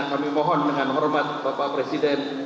kami mohon dengan hormat bapak presiden